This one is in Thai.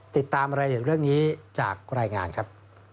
ติดตามรายละเอียดเรื่องนี้จากรายงานครับ